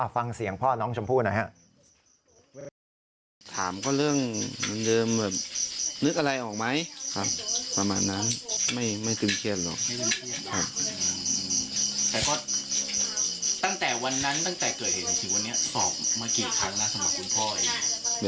ฟังเสียงพ่อน้องชมพู่หน่อยครับ